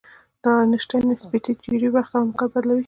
د آینشټاین نسبیتي تیوري وخت او مکان بدلوي.